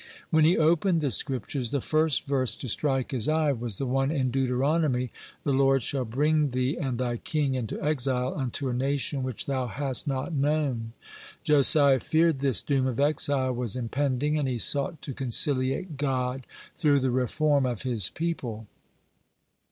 (115) When he opened the Scriptures, the first verse to strike his eye was the one in Deuteronomy: "The Lord shall bring thee and thy king into exile, unto a nation which thou hast not known." Josiah feared this doom of exile was impending, and he sought to conciliate God through the reform of his people.